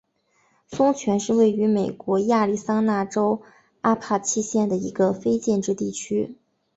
松泉是位于美国亚利桑那州阿帕契县的一个非建制地区。